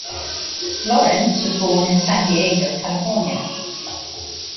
Lorenz was born in San Diego, California.